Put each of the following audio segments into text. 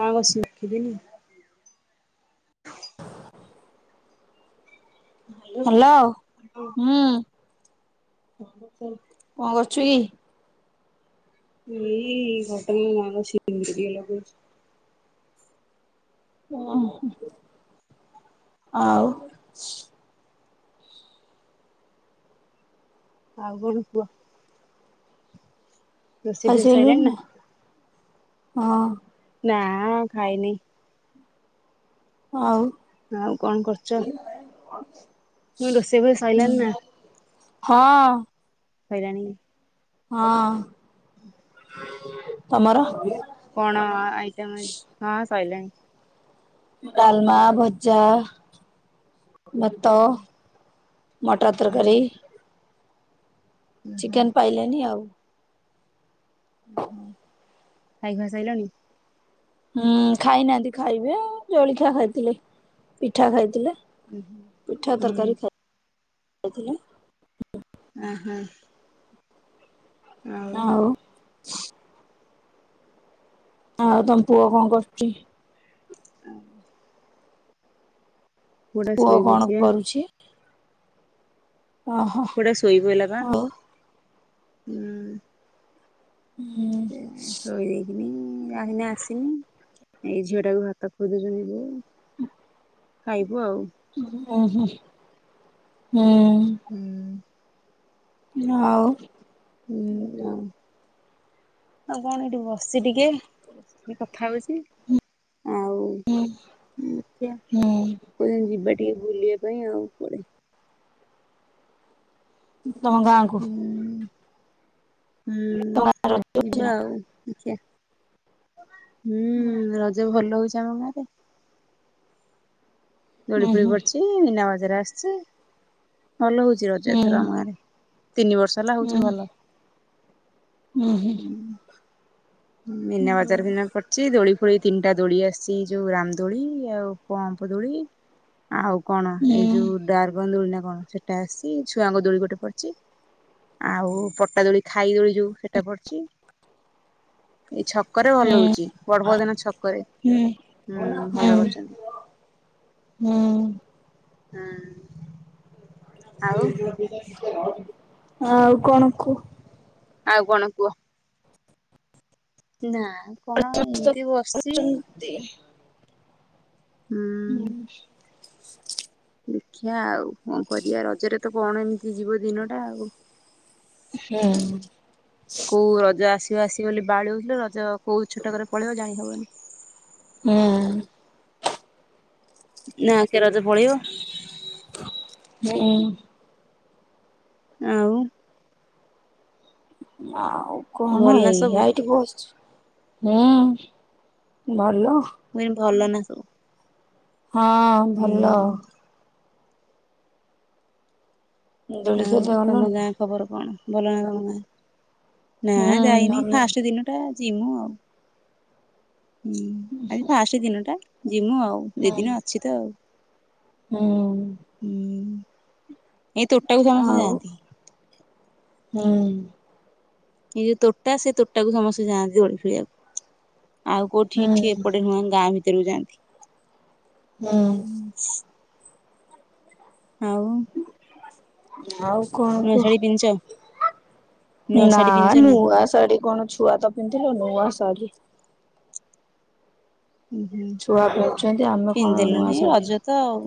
ସାଙ୍ଗ ଶିଖିବିନି hello hello ହୁଁ। କହି ଚାଲ କଣ କରୁଛୁ କି? ଏଇ ଘଟଗାଁ ମାଆଙ୍କ ସିନ୍ଦୂର ଟିକେ ଲଗଉଛି। ଓ ହଁ ଆଉ ଆଉ କଣ କୁହ? ରୋଷେଇ ଫୋଷେଇ ସଇଲାଣି ଖାଇସାଇଲୁଣି ନା? ନା? ନା ଖାଇନି। ଆଉ ଆଉ କଣ କରୁଚ? [unintelligible] ନା ହୁଁ ହଁ। ସଇଲାଣି। ହଁ, ତୋମର? କଣ ଆ, ଆଇଟମ୍ ଆଜି? ହଁ ସଇିଲାଣି। ଡାଲମା, ଭଜା ଭାତ, ହୁଁ ମଟର ହୁଁ ତରକାରୀ। ହୁଁ ହୁଁ ଚିକେନ ପାଇଲେନି ଆଉ। ଓହୋ ଖାଇ ଖଆ ସାଇିଲଣିି। ହୁଁ ଖାଇନାହାନ୍ତି ଖାଇବେ ଆଉ ଜଳଖିଆ ଖାଇଥିଲେ ପିଠା ଖାଇଥିଲେ। ପିଠା ତରକାରୀ ହୁଁ। [inaudible] ଓ ହୋ। ହଉ। [inaudible] ଆଉ ତମ ପୁଅ କଣ କରୁଛି? [inaudible] ପୁଅଟା ପୁଅ କଣ ଶୋଇପଡିଛି ବା କରୁଛି? [unintelligible] ଓହୋ ପୁଅ ଟା ସୋଇପାଇଲା ବା। ଆଉ ହୁଁ। ହୁଁ। ଏଇ ନା ଆସିନି ଏଇ ଝିଅ ଟାକୁ ହାତ ଖୋଦୁଛନ୍ତି ବୋଉ। [unintelligible] [inaudible] ବଉ ଓଁ ହୁଁ। ହୁଁ। ହୁଁ ଆଉ ହୁଁ ଆ ଆଉ କଣ ଏଇଠି ବସି ଟିକେ ଟିକେ କଥା ହଉଛି। ଆଉ ହୁଁ ଦେଖିଆ ହୁଁ। କୋଉଦିନ ଯିବା ଟିକେ ବୁଲିବା ପାଇଁ ଆଉ ପଡେ ତମ ଗାଁକୁ। ହୁଁ। ହୁଁ ତମ ଗାଁର ଯିବା ଆଉ ଦେଖିଆ ହୁଁ ରଜ ଭଲ ହଉଛି ଆମ ଗାଁରେ। ଦୋଳି ଉଁ ଫୁଳି ହୁଁ ପଡିଛି ମିନା ଜେରା ଆସିଛି। ଭଲ ହଉଛି ରଜ ହୁଁ ଏଥର ଆମ ଆଡେ। ତିନି ବର୍ଷ ହେଲା ହୁଁ ହଉଛି ଭଲ। ହୁଁ। ମିନା ହୁଁ ବଜାର ବିନା ପଡିଛି। ଦୋଳି ତିନିଟା ଦୋଳି ଆସିଛି। ଯୋଉ ରାମ ଦୋଳି ଆଉ ପମ୍ପ ଦୋଳି। ଆଉ କଣ ଏଇ ଯୋଉ ଡାର୍ଗନ ଦୋଳି ନା କଣ? ସେଟା ଆସିଛି ଛୁଆଙ୍କ ଦୋଳି ଗୋଟେ ପଡିଛି। ଆଉ ପଟା ଦୋଳି ଖାଇ ଦୋଳି ଯୋଉ ସେଟା ପଡିଛି। ଏଇ ଛକରେ ଭଲ ହଉଛି। ବଡପଦାନ ଛକରେ ହୁଁ ଭଲ ହୁଁ। କରୁଛନ୍ତି। ହୁଁ ହୁଁ ଆଉ [unintelligible] ଆଉ କଣ କୁହ। ଆଉ କଣ କୁହ। ନାଁ କଣ ଏମିତି ବସିଛି। କହୁଛନ୍ତି? [inaudible] ଦେଖିବା ଆଉ କଣ କରିବା ରଜରେ ତ କଣ ଏମିତି ଯିବ ଦିନଟା ଆଉ। ହୁଁ କୋଉ ରଜ ଆଛି? ଆଗ ବୋଲି ବାଉଳେଇ ହୋଉ ଥିଲେ। ରଜ କୋଉ ଛୋଟକରେ ପଲେଇବ ଜାଣି ହବନି। ହୁଁ ନାଁ କେ ରଜ ପଳେଇବ। ହୁଁ ଆଉ ହଁ କଣ ଭଲ ନା ସବୁ ଏଇଆ ଏଇଠି ବସିଛୁ। ହୁଁ ଭଲ। ମୁଇଁ ଭଲ ନା ସବୁ। ହଁ ଭଲ। ହୁଁ। ଦୋଳି ଖେଳିତେ ଆଉ ଗଲଣି ତମ ଗାଁ ନା? ଖବର କଣ? ଗାଁ ଆ ହୁଁ ନାଁ ଯାଇନି ଭଲ ଫାଷ୍ଟ ଦିନ ଟା। ଯି ମୁଁ ଆଉ। ହୁଁ ଆଜି ଫାଷ୍ଟ ଦିନ ଟା। ଯିମୁ ଆଉ ଦି ହୁଁ ଦିନ ଅଛି ତ ଆଉ ହୁଁ । ଏଇ ତୋଟାକୁ ସମସ୍ତେ ଆଉ ଯାଆନ୍ତି। ହୁଁ ଏଇ ଯୋଉ ତୋଟା ସେ ତୋଟାକୁ ସମସ୍ତେ ଯାଆନ୍ତି ଦେଳି ଖୋଲି ବାକୁ । ଆଉ କୋଉଠି ହୁଁ ଏଠି ଏପଟେ ନୁହଁ ଗାଁ ଭିତରକୁ ଯାଆନ୍ତି। ହୁଁ [inaudible] ହୁଁ। ଆଉ ଆଉ କଣ ନୂଆ କୁହ ଶାଢୀ ପିନ୍ଧିଛ ନୂଆ ନା ଶାଢୀ ପିନ୍ଧିଛ ନା ନୂଆ ଶାଢୀ କଣ ଛୁଆ ତ ପିନ୍ଧିଲ ନୂଆ ଶାଢୀ ଉଁ ହୁଁ। ଛୁଆ ପିନ୍ଧୁଛନ୍ତି ଆମେ କଣ ନୂଆ ପିନ୍ଧିଦେଲନି ରଜ ଶାଢ଼ୀ ତ ଆଉ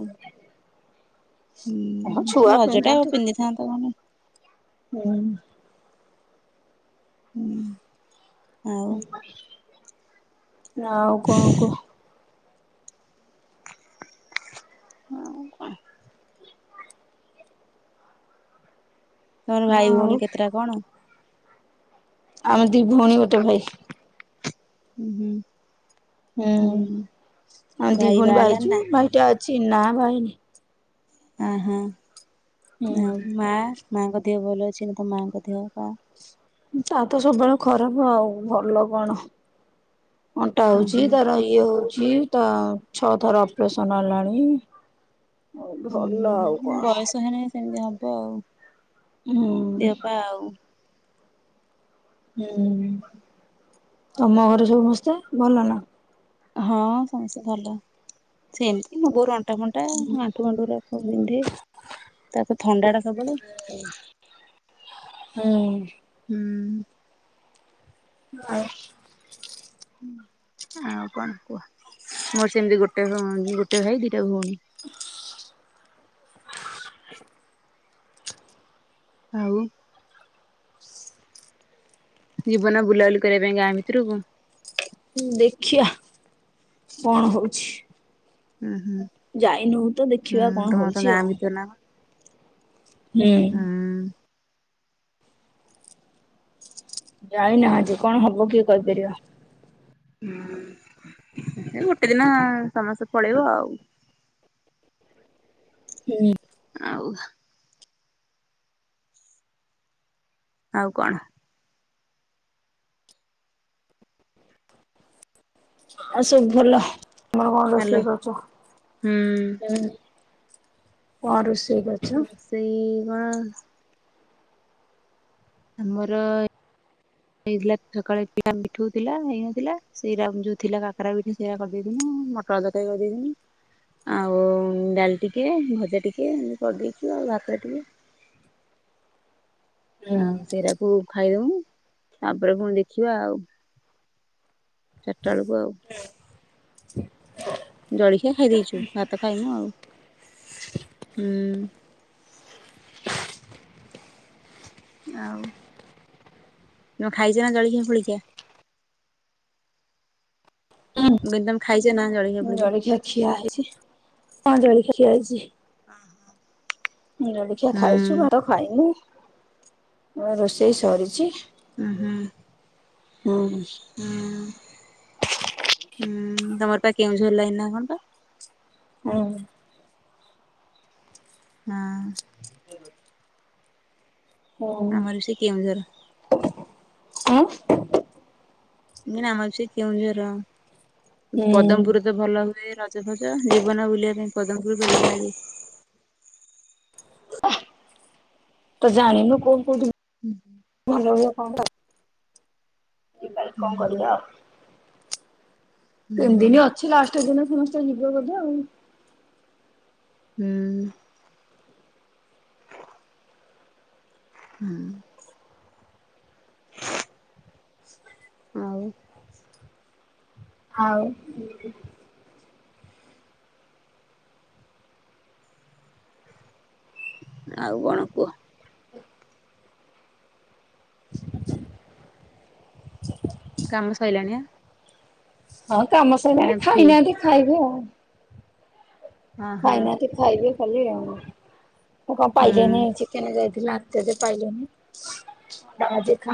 ଛୁଆ ହୁଁ ରଜ ଟା ଆବ ପିନ୍ଧିଥାନ୍ତା କଣ? ହଁ ହୁଁ ଆଉ ହୁଁ ଆଉ କଣ କୁହ? ହଁ କଣ? ତମର ନା ଭାଇ ଆଉ ଭଉଣୀ କେତେଟା କଣ? ଆମେ ଦି ଭଉଣୀ ଗୋଟେ ଭାଇ। ହୁଁ ହୁଁ ହୁଁ ଆ ଦି ଭାଇ ଭଣୀ ବାହା ହେଲାଣି ନା? ବାଇଚୁ ଭାଇଟା। ଚିନା ଭାଇନି ହ ହୁ ଆମ ହୁଁ। ମାଆଙ୍କ ଦେହ ଭଲ ଅଛି ନା ତ ମାଆଙ୍କ ଦେହ ପା ଚା ତ ସବୁବେଳେ ଖରାପ ଆଉ ଭଲ କଣ? ଅଣ୍ଟା ଓହୋ ହଉଛି ତାର ଇଏ ହଉଛି ତ। ଛଅ ଥର ଅପରେସନ ଆଲାଣି। ହୁଁ ବୟସ ହେନ ସେମିତି ହବ। ହ ହୁଁ ଦେହ ପା ଆଉ। ହୁଁ ତମ ଘରେ ସମବୁସ୍ତେ ଭଲ ନା। ହଁ ସମସ୍ତ ଭ ସେମତି ମୋ ବୋଉ ଅଣ୍ଟା ଫଣ୍ଟା ଆଣ୍ଠୁ ଫଣ୍ଟୁ ଗୁରା ବିନ୍ଧେ ତା ପରେ ଥଣ୍ଡା ଟା ସବଲେ [inaudible] ହୁଁ। ହୁଁ। ଆଉ ଆଉ କଣ କୁହ ମୋର ସେମିତି ଗୋଟେ ଭଉ ଗୋଟେ ଭାଇ ଦି ତେ ଭଉଣୀ ହ [inaudible] ଆଉ ଜୀବନ ବୁଲାବୁଲି କରିବା ପାଇଁ ଗାଁ ଭିତରୁକୁ ଦେଖିବା କଣ ହଉଛି। ହୁଁ ଯାଇନୁ ତ ଦେଖିବା ହୁଁ କଣ ତମର ତ ହଉଛି ଗାଁ ଆଉ ଭିତର ନା କଣ? ହୁଁ ଯାଇନାହାନ୍ତି କଣ ହବ କିଏ କହିପାରିବ ହୁଁ ଗୋଟେ ଦିନ ସମସ୍ତେ ପଳେଇବ ଆଉ ହୁଁ ଉ ଆ ଉ ଆଉ କଣ? ଆଉ ସବୁ ଭଲ ତମର କଣ ହାଲୋ ରୋଷେଇ ହୁଁ। କରୀଛ ପ ଋଷୁ ରୋସେଇ ଇ ହଁ [inaudible] ଆମର ହେଇଥିଲା ସକାଳେ ଥିଲା ମିଠୁ ଥିଲା ହେଇନଥିଲା ସେରା ଯୋଉ ଥିଲା କାକରା ପଠା ସେରା କରିଦେଥିଲା ମଟର ତରକାରୀ କରିଦେଇଥିନୁ ଆଉ ଡାଲ ଟିକେ ଭଜା ଟିକେ ଏତି କରିଦେଇଛ ଆଉ ଭାତ ଟିକେ ହୁଁ ଆଉ ସେଇରା କୁ ଖାଇଦଉନୁ ତାପରେ ପୁଣି ଦେଖିବା ଆଉ ଚାରିଟା ବେଳକୁ ଆଉ। ଜଳଖିଆ ଖାଇ ଦେଇେଛୁ ଭାତ ଖାଇନୁ ଆଉ ହୁଁ ଆଉ ନ ଖାଇଛ ନା ଜଳିଖିଆ ଫଳଖିଆ। ବେଦମ ଖାଇସି୍ ଜଳଖିଆ ଖିଆ ହେଇଛି ହଁ ଜଳଖିଆ ଖିଆ ହେଉଛି। ଜଳଖିଆ ଖାଇଛୁ ଭାତ ହୁଁ ଖାଇନୁ। ମୋ ରୋଷେଇ ସରିଛି। ହମ୍ଁ ହୁଁ। ହୁଁ। ହୁଁ। ହୁଁ ତମର ପା କେଉଁଝଲାଇନୀ ନା କଣ? ହଁ। ହଁ। ହୁଁ ଆମର ବି ସେ କେଉଁଝର। ଉଁ ଏ ଆମ ବି ସେୟ କେଁଝର ହୁଁ ପଦମପୁର ତ ଭଲ ହୁଏ ର ଫଚ ଫଚ ଜୀବନ ବୁଲିବା ପାଇଁ ପଦମପୁର ବେଲ ଭାଡି ତ ଜାଣିନୁ କଣ କ ହୁଁ ଭଲ ହୁଏ ହଁ ହଉ। ପଳ କଣ କରିବା ଆଉ ହୁଁ ତ ଦିନି ଅଛି ଲାଷ୍ଟ ଦିନ ସମସ୍ତେ ଯିବ ଗଲେ ଆଉ। ହୁଁ। ହୁଁ। ହ ଆଉ ଆଉ। ଆଉ କଣ କୁହ? କାମ ସୋଇ ଲଣିଆ ହଁ କାମ ସଇନା ବି ଖାଇନାହାନ୍ତି ଖାଇବେ ଆଉ। ହଁ ହଁ ଖାଇନାହାନ୍ତି ଖାଇବେ କଲି ଆ ମୁ ପାଇିଲ ହୁଁ ନେଇ ଚିକେନ ଯାଇ ନାତ ଯେ ପାଇଲେ ନା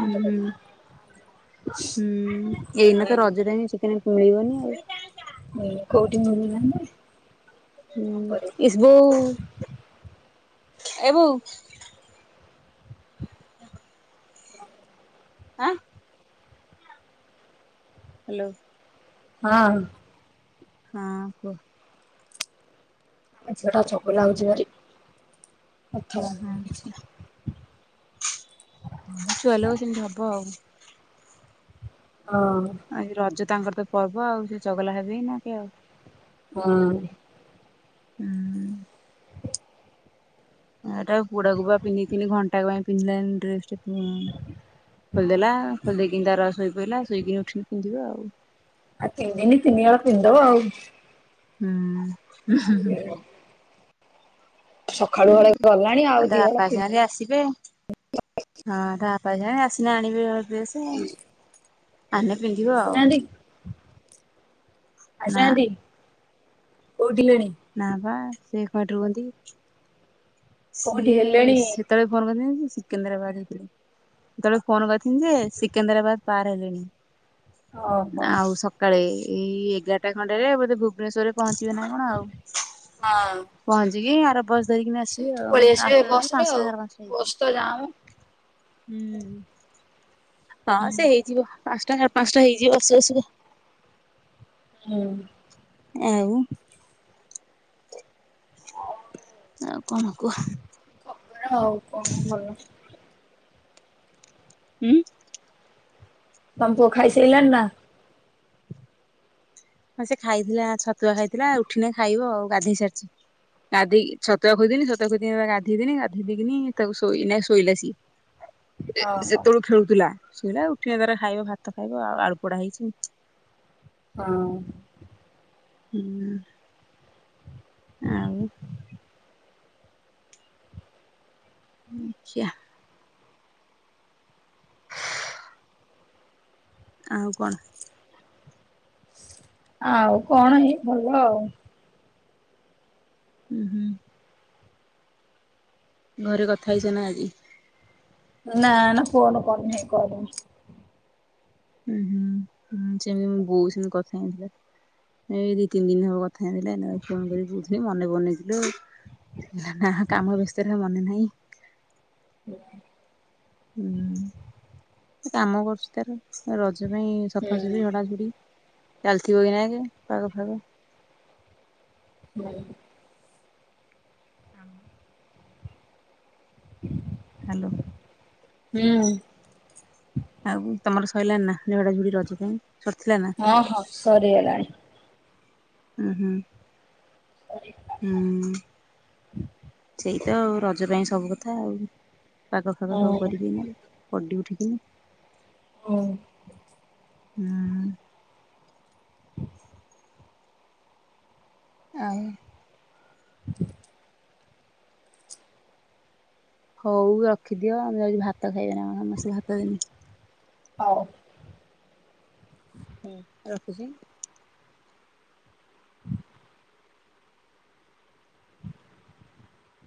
ହୁଁ ହୁଁ ହୁଁ ଏଇନା ତ ରଜରେ ହି ଚିକେନ ମିଳିବନି ଆଉ। ହୁଁ କୋଉଠି ମିଳୁନାହିଁ। ହୁଁ ସ୍ବୁ ଏ ବୋଉ। ହ ହଁ ଆଁ ହ୍ୟାଲୋ ହଁ। ହଁ କୁହ ଆଛଟା ଛକ ଲାଗୁଛି ଭାରି ଆଛ। ହଁ ହଁ ଛୁଆ ଲ ସେମିତି ହବ ଆଉ। ହଁ ଆ ରଜ ତାଙ୍କର ଗୋଟେ ପର୍ବ ଆଉ ସେ ଚଗଲା ହେବେହି ନା କିଏ ଆଉ ହଁ ହୁଁ [inaudible] ଏଟା ପୋଡାକୁ ବା ପିନ୍ଧି ଘଣ୍ଟା ପାଇଁ ପିନ୍ଧିଲାଣି ଡ୍ରେସ ଟା ଖୋଲିଦେଲା ଖୋଲି ଦେଇକି ତାର ଶୋଇ ପିଲା ଶୋଇକ ଉଠିକି ପିନ୍ଧିବ ଆଉ ଆଉ ତିନିଦିନି ତିନିିହଳ ପିନ୍ଧି ଦବ ଆଉ ହୁଁ ଉଁ ହୁଁ ହୁଁ। ସକାଳୁ ଉଁ ହଳେ ଗଲାଣି ଆଉ ଦି ତା ହଳ ବାପାଙ୍କ ପି ସାଙ୍ଗରେ ଆସିବେ ହଁ ତା ବା ପାଇସାଇଲେଣି ଆସିଲେ ଆଣିବେ ଡ୍ରେସେ। ଆମେ ପିନ୍ଧିବ ଆଉ ଆସିନାହାନ୍ତି [inaudible] ଆସିନାହାନ୍ତି। [unintelligible] ନାଁ ବା। ସେ ଏକାଠୀ ରୁହନ୍ତି। କୋଉଠି ସିଏ ହେଲେଣି ସେତେବେଳେ ଫୋନ କରିନାହାଁନ୍ତି ସିକେନ୍ଦ୍ରାବାଦ ହେଇଥିଲେ, ସେତେବେଳେ ଫୋନ କରିଥିଲି ଯେ ସିକେନ୍ଦ୍ରାବାଦ ପାର ହେଲେଣି। ଓହୋ ଆଉ ସକାଳେ ଏଇ ଏଗାରଟା ଖଣ୍ଡରେ ବୋଧେ ଭୁବ୍ ଭୁବେଶ୍ୱରରେ ପହଞ୍ଚିବେ ନା କଣ ଆଉ। ହଁ। [unintelligible] ଆସିବେ ସେଇଠୁ ଆଉ ପଳେଇ ଆସିବେ ଆସୁ ଆସୁ ବସ ରେ ପାଞ୍ଚଟା ଆଉ ସାଢେ ପାଞ୍ଚଟା ହେଇଯିବ। ବସ ତ ଯାମ ହୁଁ। ହଁ ସେ ହେଇଯିବ। ପାଞ୍ଚଟା ସାଢେ ପାଞ୍ଚଟା ହେଇଯିବ ଆସୁ ଆସୁକା। ହୁଁ। ଆଉ। ଆଉ କଣ କୁହ? ଖବର ଆଉ କଣ ଭଲ। ଉଁ। ତମ ପୁଅ ଖାଇସାଇଲାଣି ନା? [inaudible] ହଁ ସେ ଖାଇଥିଲା ଛତ୍ ଛତୁଆ ଖାଇଥିଲା ଉଠିନେ ଖାଇବ ଆଉ। ଗାଧେଇ ସାରିଛି ଗାଧେଇ କି ଛତୁଆ ଖୋଇଦେନି ଛତୁଆ ଖୋଇଦେଇକି ଗାଧେଇ ଦେନି ଗାଧେଇ ଦେଇକିନି ତାକୁ ଶୋଇ ଏଇନା ଶୋଇଲା ସିଏ। ଓହୋ ସେତେବେଳୁ ଖେଳୁଥିଲା। ଶୋଇଲା ଉଠିବ ତାର ଖାଇବ ଭାତ ଖାଇବ ଆଉ ଆଳୁ ପୋଡା ହେଇଛି। ହଁ। ହୁଁ। ଆଉ ମିଚିୟା ଆଉ କଣ? ଆଉ କଣ ଏଇ ଭଲ ଆଉ। ହୁଁ ହୁଁ। ଘରେ କଥା ହେଇଛ ନା ଆଜି ନା ନା ଫୋନ କରିନି କରିନି। ଉୁଁ ହୁଁଁ ହୁଁ ସେମିତି ବୋଉ ସେମିତି କଥା ହେଇଁଥିଲା ଏଇ ଦି ତିନି ଦିନ ହବ କଥା ହେଇଁଥିଲା ଏ ଫୋନ କରି ବୁଝେ ମନେ ବନେଇଥିଲୁ। ନା ନା କାମ ବ୍ୟସ୍ତରେ ଆଉ ମନେ ନାହିଁ। ହୁଁ କାମ କରୁଛି ତାର ର ଜ ପାଇଁ ସଫା ସଫି ଝଡା ଝଡି ଚାଲିଥିବ କି ନାଇଁ ଯେ ପାଗ ଫାଗ। ହୁଁ। ଆମ୍ ହାଲୋ ହୁଁ। ଆଉ ତମର ସଇଲାଣି ନା ଝଡା ଝୁଡି ରଜ ପାଇଁ। ସରିଥିଲା ନା? ହଁ ହଁ ସରିଗଲାଣି। ଉଁ ହୁଁ। ହୁଁ ସେଇ ତଉ ରଜ ପାଇଁ ସବୁ କଥା ଆଉ। ପାଗ ଫାଗ ହଁ ସବୁ କରିକି ଗଲେ ପଡି ଉ ଠିକିନି ହୁଁ। ହୁଁ। ଆଉ ହଉ ରଖିଦିଅ ମୁଁ ଯାଉଚି ଭାତ ଖାଇବି ଏନା ସମସ୍ତିଙ୍କି ଭାତ ଦେମି ହଉ। ହୁଁ ରଖୁଛି।